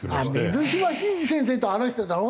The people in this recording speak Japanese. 水島新司先生と話してたの？